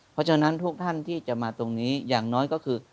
เพราะฉะนั้นทุกท่านที่จะมาตรงนี้อย่างน้อยก็คือ